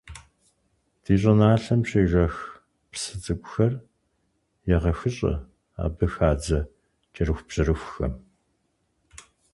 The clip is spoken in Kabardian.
Ди щӏыналъэм щежэх псы цӀыкӀухэр егъэхыщӀэ абы хадзэ кӀэрыхубжьэрыхухэм.